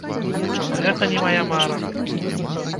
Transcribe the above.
Гэта не мая мара.